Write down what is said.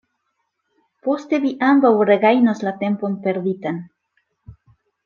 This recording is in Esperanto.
Poste vi ambaŭ regajnos la tempon perditan.